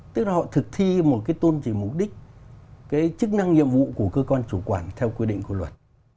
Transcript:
tức là họ thực thi một cái tôn trì mục đích cái chức năng nhiệm vụ của cơ quan chủ quản theo quy định của luật